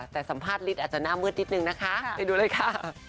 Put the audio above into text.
แต่สัมภาธิ์นีสาหร่าเจาน่าเมื่อนะคะ